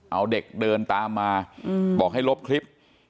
เอาเด็กเดินตามมาบอกให้ลบคลิป